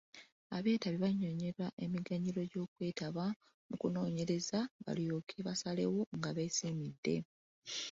Abeetabi bannyonnyolwa emiganyulo gy'okwetaba mu kunoonyereza balyoke basalewo nga beesiimidde.